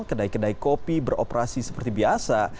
kedai kedai kopi beroperasi seperti biasa